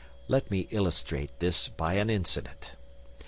Let me illustrate this by an incident.